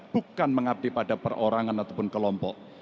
bukan mengabdi pada perorangan ataupun kelompok